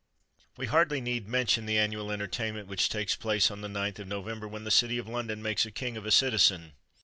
We hardly need mention the annual entertainment which takes place on the 9th of November, when the city of London makes a king of a citizen.